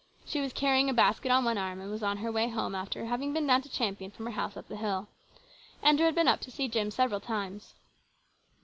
She was carrying a basket on one arm, and was on her way home after having been down to Champion from her house up on the hill. Andrew had been up to see Jim several times.